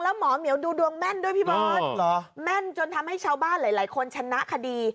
แล้วหมอเหมียวดูดวงแม่นด้วยพี่เบิร์ตแม่นจนทำให้ชาวบ้านหลายคนชนะคดี